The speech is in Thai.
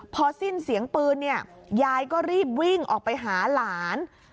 พอสิ้นเสียงปืนเนี่ยยายก็รีบวิ่งออกไปหาหลาน